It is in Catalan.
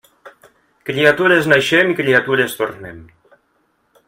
Criatures naixem i criatures tornem.